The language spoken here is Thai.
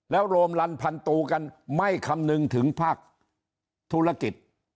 แล้วรวมลันพันตูกันไม่คำนึงถึงภาคธุรกิจ